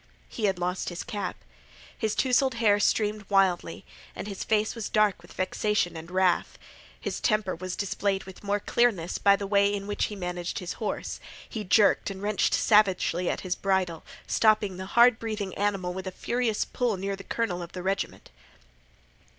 He had lost his cap. His tousled hair streamed wildly, and his face was dark with vexation and wrath. His temper was displayed with more clearness by the way in which he managed his horse. He jerked and wrenched savagely at his bridle, stopping the hard breathing animal with a furious pull near the colonel of the regiment.